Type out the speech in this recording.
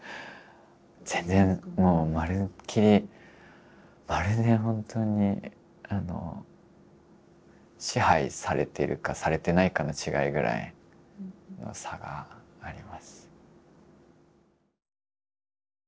全然もうまるっきりまるでほんとに支配されているかされてないかの違いぐらいの差があります。